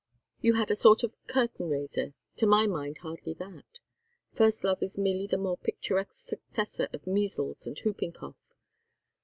You had a sort of curtain raiser to my mind, hardly that. First love is merely the more picturesque successor of measles and whooping cough.